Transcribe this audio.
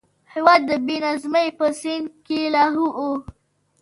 هېواد د بې نظمۍ په سین کې لاهو و.